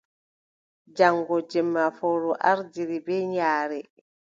Jaŋgo jemma fowru ardiri bee yaare.